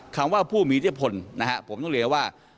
คำว่าผู้มีที่ผลผมต้องเรียกว่า